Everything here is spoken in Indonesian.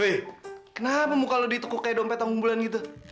hei kenapa muka lo ditukuk kayak dompetan kumulan gitu